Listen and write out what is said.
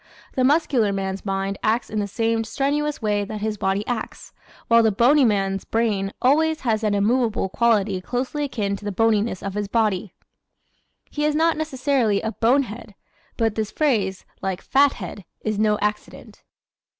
The muscular man's mind acts in the same strenuous way that his body acts, while the bony man's brain always has an immovable quality closely akin to the boniness of his body. He is not necessarily a "bonehead," but this phrase, like "fathead," is no accident.